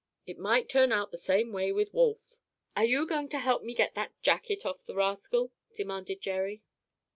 It might turn out the same way with wolf." "Are you going to help me get that jacket off the rascal?" demanded Jerry.